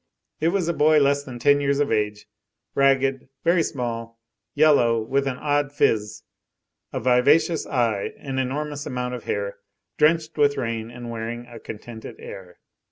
It was a boy less than ten years of age, ragged, very small, yellow, with an odd phiz, a vivacious eye, an enormous amount of hair drenched with rain, and wearing a contented air.